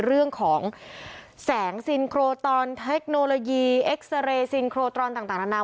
เรื่องของแสงซินโครตอนเทคโนโลยีเอ็กซาเรย์ซินโครตรอนต่างนานา